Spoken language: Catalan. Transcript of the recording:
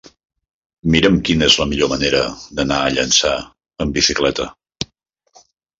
Mira'm quina és la millor manera d'anar a Llançà amb bicicleta.